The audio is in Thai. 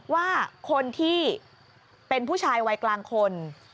ว่าคนที่เป็นผู้ชายวัยกลางคน